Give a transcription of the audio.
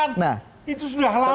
yang lainnya juga bilang tentu